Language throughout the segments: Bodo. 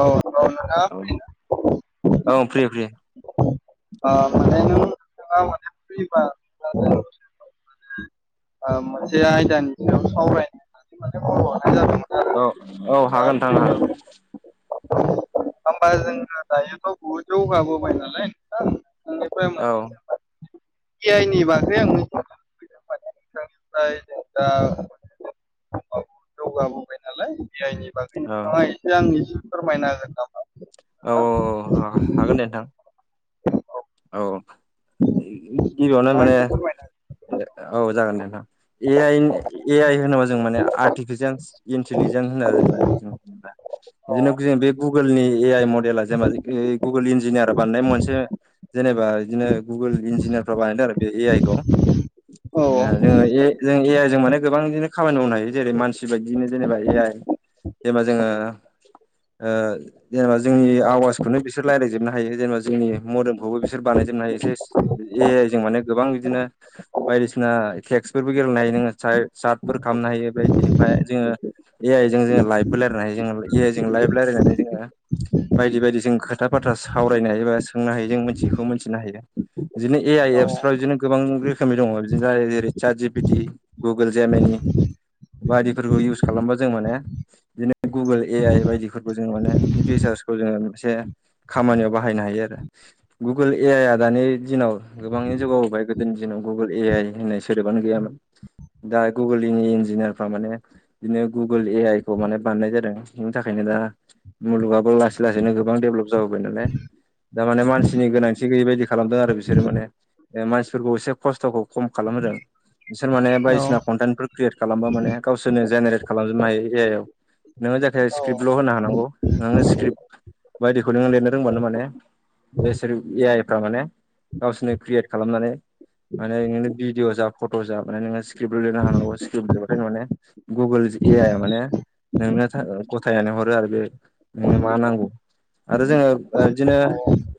औ औ नोंगौ नोथां औ फ्रि फ्रि अ माने नों नोंथाङा माने फ्रिबा दा जोङो फि मोनसे आयदानि सायाव सावरायनो माने खलखौ हरनाय जादोंमोन। औ औ आरो नोंथाङा हागोन नोंथां फ्रिबा हागोन। होमबा जोङो दायोथ' बुहुद जौगाबोबाय नालाय नोंथां निफ्राय औ। ए आइनि बागै आं लुबैदों माने नोंथांनिफ्राय जों दा जौगाबोबाय नालाय ए आइ नि बागै औ नोंथाङा एसे आंनिसिम फोरमायना होगोन नामा? औ औ औ नोंथाङा औ हागोन दे नोंथां। औ, गिबियावनो माने एसे फोरमायना ओ औ, जागोन दे नोंथां। ए आइन ए आइ होनोबा जों माने आर्टिफिजेन्स इन्टलिजेन्ट होनना आरोबा बिदिनो बे गुगोलनि ए आइ मद बेला जेनेबा गुगोल इन्जिनियार बानायनाय मोनसे जेनेबा बिदिनो गुगोल इन्जिनियारफ्रा बानायदों आरो बे ए आइ खौ हो जोङो ए जों ए आइ जों माने गोबां बिदिनो खामानि मावनो हायो जेरै मानसि बायदिनो जेनेबा ए आइ जेनेबा जोङो जेनेबा जोंनि आवाजखौनो बिसोर रायज्लायजोबनो हायो जेनेबा जोंनि मोदोम खौबो बिसोर बानायजोबनो हायो सेस ए आइ जों माने गोबां बिदिनो बायदिसिना टेक्सफोरबो गेलेनो हायो नोङो साय-सार्टफोर खालामनो हायो बायदि ओमफाय जोङो ए आइजों जोङो लाइभबो रायलायनो हायो जोङो, ए आइ जों लाइभ रायलायनानै जोङो बायदि बायदि जों खोथा बाथ्रा सावरायनो हायो बा सोंनो हायो जों मोन्थियैखौ मोन्थिनो हायो। बिदिनो ए आइ औ एप्सफ्रा बिदिनो गोबां रोखोमनि दङ' बिदिनो जाय जेरै चाट जि पि टि गुगोल जेमिनि बायदिफोरखौ युस खालामबा जों माने बिदिनो गुगोल ए आइ बायदिफोरबो जों मोनो बिनि फिचार्सखौ जोङो मोनसे खामानियाव बाहायनो हायो आरो। गुगोल ए आइ आ दानि दिनाव गोबाङै जौगाबोबाय गोदोनि दिनाव गुगोल ए आइ होननाय सोदोबानो गैयामोन। दा गुगोलिनि इन्जिनियारफ्रा माने बिदिनो गुगोल ए आइ खौ माने बानायनाय जादों बेनि थाखायनो दा मुलुगाबो लासै लासैनो गोबां देभलप जाबोबाय नालाय दा माने मान सिनि गोनांथि गैयै बायदि खालामदों आरो बिसोरो माने, ओ मानसिफोरखौ एसे खस्थ'खौ खम खालाम होदों। बिसोर माने बायदिसिना औ कन्टेन्टफोर क्रियेट खालामबा माने गावसोरनो जेनेरेट खालाम जोबनो हायो ए आइ आव। नोङो जायखिया स्क्रिप्टल' होनो हानांगौ, नोङो स्क्रिप्ट बायदिखौ नोङो लिरनो रोंबानो माने एसोरो ए आइफ्रा माने गावसोरनो क्रियेट खालामनानै माने इदिनो भिडअ' जा फट' जा माने नोङो स्क्रिप्टल' लिरनो हानांगौ, स्क्रिपट लिरबथाय नों माने गुगोल्ज ए आइ आ माने नोंनो था-गथायनानै हरो आरो बे नोंनो मा नांगौ। आरो जोङो ओ बिदिनो औ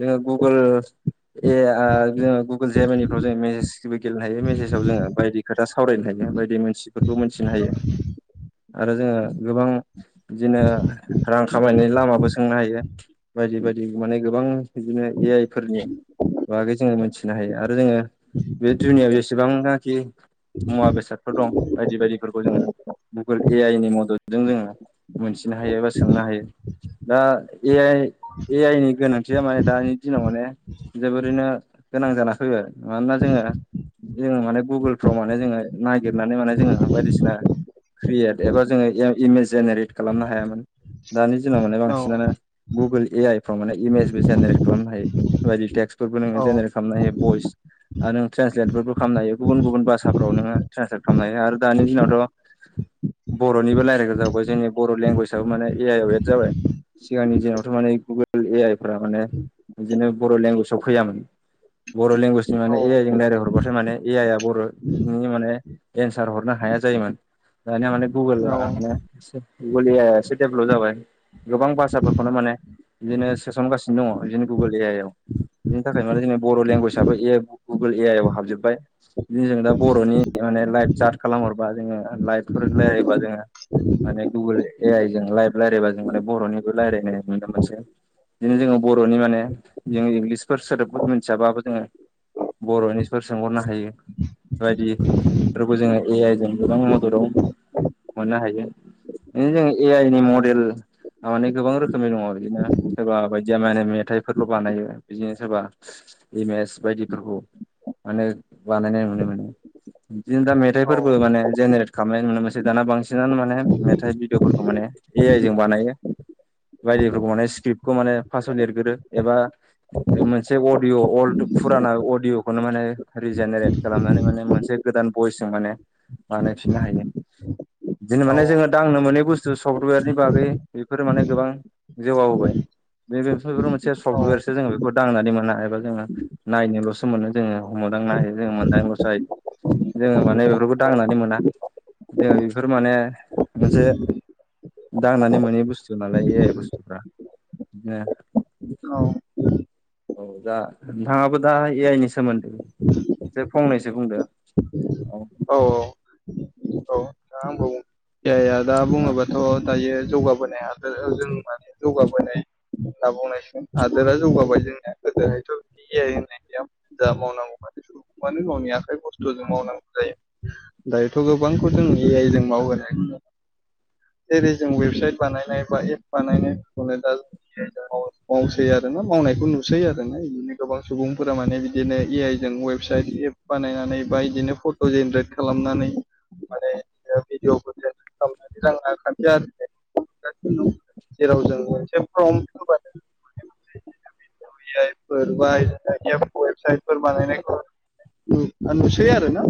जोङो गुगोल ए आ जोङो गुगोल जेमिनिफ्राव जोङो मेसेजबो गेलेनो हायो मेसेजाव जोङो बायदि खोथा सावरायनो हायो बायदि मोनथियैफोरखौ मोनथिनो हायो। आरो जोङो गोबां बिदिनो रां खामायनायनि लामाबो सोंनो हायो। बायदि बायदि माने गोबां बिदिनो ए आइ फोरनि बागै जोङो मोनथिनो हायो आरो जोङो बे दुनियाआव जेसेबांनाखि मुवा बेसादफोर दं बायदि बायदिफोरखौ जोङो गुगोल ए आइ नि मददजों जोङो मोनथिनो हायो एबा सोंनो हायो। दा ए आइ ए आइनि गोनांथिया माने दानि दिनाव माने जोबोरैनो गोनां जाना फैबाय, मानोना जोङो जोङो माने गुगोलफ्राव माने जोङो नागिरनानै माने जोङो बायदिसिना क्रियेट एबा जोङो एम-इमेज जेनेरेट खालामनो हायामोन दानि दिनाव माने बांसिनानो औ गुगोल ए आइ फ्राव माने इमेज बो जेनेरेट खालामनो हायो। बायदि टेक्स फोरबो नोङो औ जेनेरेट खालामनो हायो भइस आर नों ट्रेन्सलेटफोरबो खालामनो हायो गुबुन गुबुन भाषाफ्राव नोङो ट्रेन्सलेट खालामनो हायो आरो दानि दिनावथ' बर'निबो लायरायग्रा जाबावबाय जोंनि बर' लेंगुवेजाबो माने ए आइ आव एद जाबाय। सिगांनि दिनावथ' माने गुगोल ए आइ फोर माने बिदिनो बर' लेंगुवेजाव फैयामोन। बर' लेंगुवेजनि औ माने ए आइ जों रायज्लाय हरबथाय माने ए आइ आ बर'नि माने एन्सार हरनो हाया जायो माने दानिया माने गुगोला माने गुगोल ए आइ आं एसे डेभलप जाबाय गोबां भाषाफोरखौनो माने बिदिनो सोसनगासिनो दङ बिदिनो गुगोल ए आइ आव। बिनि थाखाय माने जोंनि बर' लेंगुवेजाबबो ए गुगोल ए आइ आव हाबजोबबाय। बि जों दा बर'नि माने लाइभ साट खालामहरबा जोङो लाइभफोर रायलायोबा जोङो माने गुगोल ए आइ जों लाइभ रायलायबा जों माने बर'निबो रायलायनाय नुनो मोनसै। बिदिनो जोङो बर'नि माने जों इंल्गिसफोर सोदोबफोरखौ मिथियाबाबो जोङो बर'निफोर सोंहरनो हायो। बायदि फोरबो जोङो ए आइ जों गोबां मददआव मोननो हायो। बिनो जों ए आइ नि मडेल आ माने गोबां रोखोमनि दङ' बिदिनो सोरबा बायदिया माने मेथाइफोरल' बानायो बिदिनो सोरबा इमेज बायदिफोरखौ माने बानायनाय नुनो मोनो। बिदिनो दा मेथाइफोरबो माने जेनेरेट खालामनाय नुनो मोनसै दाना बांसिनानो माने मेथाइ भिडअ'फोरखौ माने ए आइ जों बानायो। बायदिफोरखौ माने स्क्रिप्टखौ माने फासआव लिरगोरो एबा मोनसे अडिअ अल्ड' फुराना अडिअखौनो माने रिजेनेरेट खालामनानै माने मोनसे गोदान बयसजों माने बानायफिननो हायो। बिदिनो माने जोङो दांनो मोनै बुस्थु सफ्टवेरनि बागै बेफोरो माने गोबां जौगाबोबाय। बेफोर मोनसे औ सफ्टवेरसोङोखौ दांनानै मोन जोंङो एबा जोङो। नायनोल'सो मोनो जोङो हमावदांनोनायो जोङो मोनदांल'सो हायो। जोङो माने बेफोरखौ दांनानै मोना जोङो बेफोर माने मोनसे दांनानै मोनै बुस्थु नालाय ए आइ बुस्थुफ्रा। [inaudible] औ दा नोंथाङाबो दा ए आइ नि सोमोन्दै एसे फंनैसो बुंदो औ। औ औ जाया दा औ बुङोबाथ' दायो जौगाबोनाय हादोर जों माने जौगाबोनाय होनना बुंनायसगोन हादोरा जौगाबाय जोंनिया गोदोहायथ' ए आइ होननाया गैयाबो। जा मावनांगौ माथ सुबुंखौ मानो गावनि आखाइ बुस्थुजों मावनांगौ जायो। दायोथ' गोबांखौ जों ए आइ जों मावो। [inaudible] जेरै जों वेबसाइट बानायनाय बा एप बानायफोरखौनो दा मावसै आरोना मावनायखौ नुसै आरो ना बिदिनो गोबां सुबुंफोरा माने बिदिनो ए आइ जों वेब फिसा एप बानायनानै बा बिदिनो फट' जेनेरेट खालामनानै माने भिडिअ रां खाथि आरो [unintelligible] नुगासिनो दं जेराव जों मोनसे फर'नथ होबानो बिदोनो भिडिअ एआय फोर बा बिदोनो वबसाइट बानायनायफोर नुसै आरो ना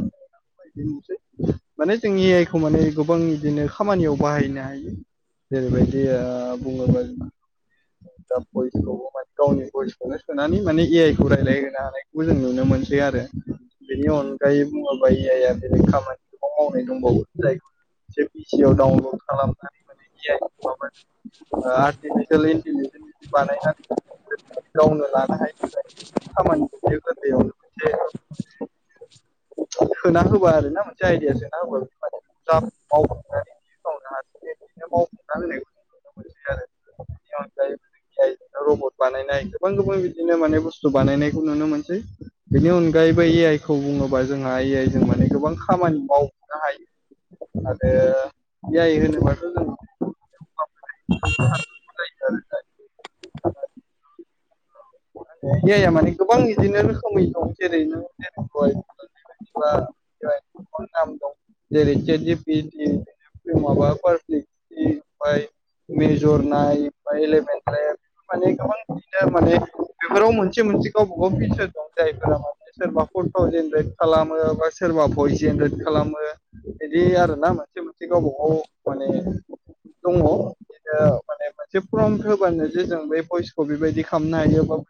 नुसै माने जों ए आइ खौ माने गोबां बिदिनो खामानियाव बाहायनो हायो जेरैबायदि ओ बुङो बा जों [inaudible] दा भयसखौबो माने गावनि भयसखौनो सोनानै माने ए आइ खौ रायज्लाय होनोनो हानायखौबो जों नुनो मोनसै आरो। बेनि अनगायै बुङोबा एआइया बेलेख खामानिखौब मावनाय दंबावो जायखौ मोनसे पिसि आव डाउनलड खालामनानै माने ए आइ आर्टिफिसियेल इन्टेलिजेन्स बानायनानै गावनो लानो हायो नालाय खामानिखौयो गोरलैयावनो मोनसे सोना होबा आरोना मोनसे आइदिया सोना होबा बे मावफुंनानै बिदिनो खामानिखौ मावफुंना होननायखौ नुनो मोनसै आरो। बिनि अनगायैबो जों ए आइ जों रबट बानायनाय गोबां गोबां बिदिनो माने बुस्थु बानायनायखौ नुनो मोनसै बेनि अनगायैबो ए आइ खौ बुङोबा जोंहा ए आइ जों माने गोबां खामानि माव बोनो हायो। आरो ए आइ होनोबाथ' जों माने ए आइ गोबां बिदिनो रोखोमै दं जेरैनो [unintelligible] बेबादिब्ल ए [unintelligible] नाम दं जेरै चेट जिपि टि माबा पार प्लेक सि ओमफाय मेजर नाय बा इलेभेन टेभ बेफोर माने गोबां बिदिनो माने बेफोराव मोनसे मोनसे गावबा गाव फिसन दं जायफोरा सोरबा फट' जेनेरेट खालामो बा सोरबा भइस जेनेरेट खालामो। बिदि आरो ना मोनसे मोनसे गावबा गाव माने दङ बिनो माने मोनसे फर्म होब्लानो जे जों बे भइसखौ बेबायदि खालामनो हायो।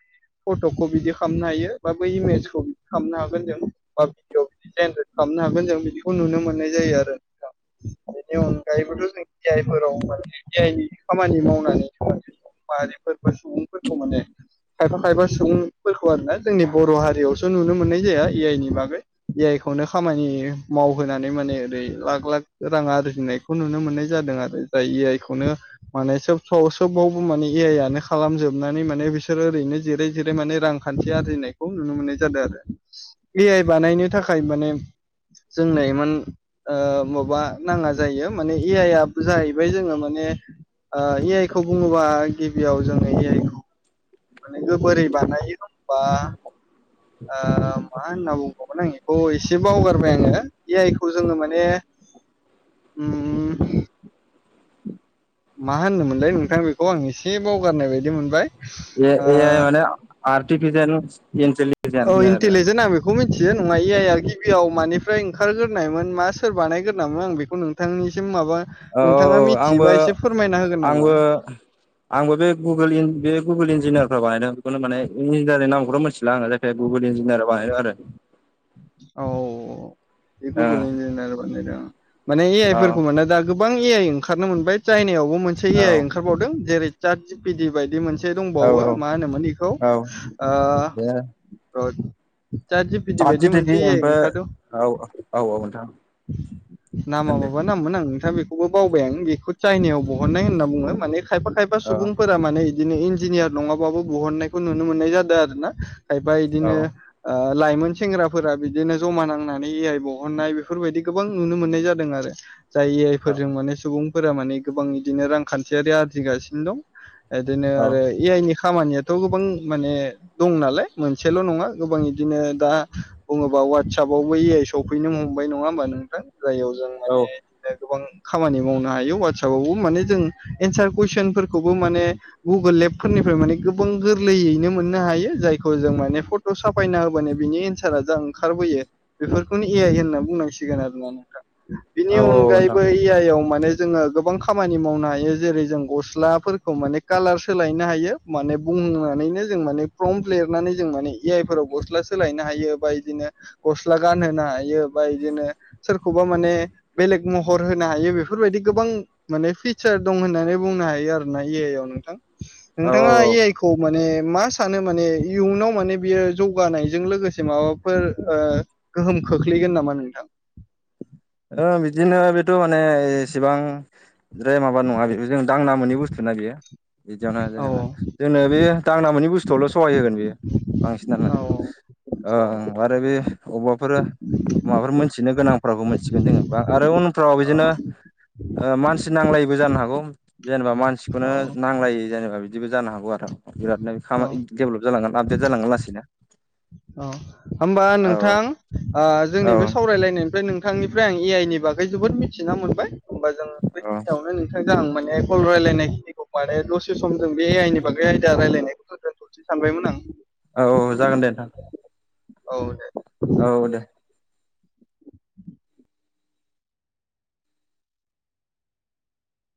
फट'खौ बिदि खालामनो हायो बा बै इमेजखौ बिदि खालामनो हागोन जों बा भिडिअ' डिजाइन खो खालामनो हागोन जों बिदिखौ नुनो मोननाय जायो आरो नोंथां। बेनि अनगायैबोथ' जों ए आइफोराव माने ए आइनि खामानि मावनानै माहारिफोर बा सुबुंफोरखौ माने खायफा खायफा सुबुंफोरखौ आरोना जोंनि बर' हारियावसो नुनो मोननाय जाया ए आइ नि बागै ए आइ खौनो खामानि मावहोनानै माने ओरै लाख लाख रां आर्जिनाय खौ नुनो मोननाय जादों आरो जाय ए आइ खौनो माने सोब स' सोबावबो माने ए आइ आनो खालामजोबनानै माने बिसोरो ओरैनो जेरै जेरै माने रांखान्थि आरजिनायखौ नुनो मोननाय जादों आरो। ए आइ बानायनो थाखाय माने जोंनो इमान ओ माबा नाङा जायो माने ए आइ आ जाहैबाय जोङो माने ओ ए आइ खौ बुङोबा गिबियाव जोङो ए आइ खौ माने गोबोरै बानायो होनबा ओ मा होनना बुंबावगोन आं इखौ एसे बावगारबाय आङो ए आइ खौ जोङो माने [inaudible] उम मा होनोमोनलाय नोंथां बेखौ? आं एसे बावगारनाय बायदि मोनबाय। ए-ए आइ ओ माने आरटिफिसियेल इन्टिलिजेन होनो आरो। खौ मिथियो नङा आइया गिबियाव मानिफ्राय ओंखारग्रोनायमोन मा सोर बानायग्रोनामोन आं बेखौ नों थांनिसिम माबा आरो औ नोंथाङा औ औ आंबो मिथियोबा एसे फोरमायना होगोन नामा? आंबो आंबो बे गुगोल इन बे गुगोल इन्जिनियार फ्रा बानायदों। बेखौनो माने इन्जिनियनि नामखौथ' मिथिला आं जायखिजाया गुगोल इन्जिनियार बानायो आरो। औ बे गुगोल औ इन्जिनिार बानायदों माने ए आइफोरखौ मोने दा गोबां ए आइ ओंखारनो मोनबाय चाइनायावबो मोनसे ए आइ ओंखारबावदों जेरै चाद जि पिदि बायदि मोनसे एसे औ दंबावो मा होनोमोन इखौ औ ओ बे रज जा जि पि दि सात बायदि मोनसे ए जिटिपि आय ओमफ्राय ओंखारदों औ औ औ नोंथां नामा माबा होनदो मा नामोन आं नोंथां बेखौबो बावबाय आं बेखौ चाइनायाव बहननाय होनना बुङो माने खायफा खायफा औ सुबुंफोरा माने इदिनो इन्जिनियार नङाबाबो बहननायखौ नुनो मोननाय जादों आरो ना खायफा औ इदिनो ओ लाइमोन सेंग्रा फोरा बिदिनो जमा नांनानै ए आइ बहननाय बेफोरबायदि गोबां नुनो मोननाय जादों आरो। जाय ए आइ औ फोरजों माने सुबुंफोरा माने गोबां इदिनो रांखान्थियारि आरजिगासिनो दं। इदिनो आरो औ ए आइनि खामानियाथ' गोबां माने दं नालाय मोनसेल' नङा गोबां इदिनो दा बुङोबा वाटसपआवबो ए आइ सौफैनो हमबाय नङा होमबा नोंथां जायाव जों औ। नो गोबां खामानि मावनो हायो वाटसपआवबो माने जों एन्सार कुइसनफोरखौबो माने गुगोल एपफोरनिफ्राय माने गोबां गोरलैयैनो मोननो हायो जायखौ जों माने फट ट' साफायना होबानो बिनि एन्सारा जा ओंखारबोयो बेफोरखौनो ए आइ होनना बुंनांसिगोन आरो ना नोंथां। बिनि औ नोंथां अनगायैबो ए आइ आव माने जोङो गोबां खामानि मावनो हायो जेरै जों गस्लाफोरखौ माने कालार सोलायनो हायो माने बुंनानैनो जों माने प्रम्प लिरनानै जों माने ए आइफोराव गस्ला सो सोलायनो हायो बा इदिनो गस्ला गानहोनो हायो बा इदिनो सोरखौबा माने बेलेग महर होनो हायो बेफोरबायदि गोबां माने फिसार दं होननानै बुंनो हायो आरो ना ए आइ आव नोंथां। औ औ नोंथाङा औ ए आइ खौ माने मा सानो माने इयुनाव माने बियो जौगानायजों लोगोसे माबा फोर ओ गोहोम खोख्लैगोन नामा नोंथां? ओ बिदिनो बेथ' माने एसेबां द्राय माबा नङा बे जों दांना मोनै बुस्थु ना बियो बिदियावनो औ जेनेबा जोंनो बे दांना मोनि बुस्थुआवल' सहाय होगोन बेयो बांसिनानो माने। ओं आरो बे अबबाफोर माबाफोर मोनथिनो गोनांफ्राबो मोनथि मिथिगोन जोङो बा आरो उनफ्राव औ बिदिनो ओ मानसि नांलायिबो जानो हागौ जेनेबा औ मानसिखौनो नांलायि जेनेबा बिदिबो जानो हागौ आरो। बिरादनो बे खा औ डेभेलप जालांगोन आपडेट जालांगोन लासैनो। औ होमबा औ नोंथां ओ औ जोंनि बे सावरायलायनायनिफ्राय नों नोंथांनिफ्राय आं ए आइ नि बागै जोबोर मिथिना मोनबाय होमबा जोङो बेखिनियावनो थां जों माने कल रायलायनाय खिनिखौ बानाय दसे सम जों बे आइदानि बागै आयदाायलायनायखौथ' दोनथ'नि सानबायमोन आं औउ जागोन दे नोंथां औ दे औ दे